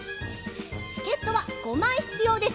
チケットは５まいひつようです。